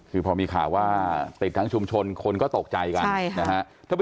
คือพอมีข่าวว่าเป็นทั้งชุมชนคนก็ตกใจกัน